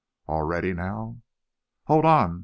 All ready now?" "Hold on!"